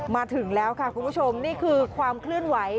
มาถึงแล้วค่ะคุณผู้ชมนี่คือความเคลื่อนไหว